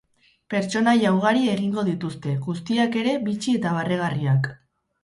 Pertsonaia ugari egingo dituzte, guztiak ere bitxi eta barregarriak.